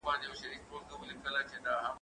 زه اجازه لرم چي د کتابتون د کار مرسته وکړم؟